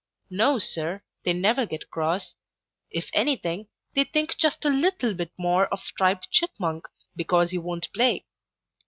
No, Sir, they never get cross. If anything, they think just a little bit more of Striped Chipmunk because he won't play.